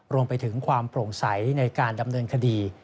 รวมไปถึงความโปร่งใสในการดำเนินคดี